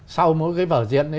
sau mỗi cái vở diễn ấy